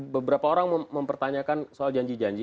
beberapa orang mempertanyakan soal janji janji